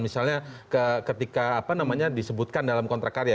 misalnya ketika disebutkan dalam kontrak karya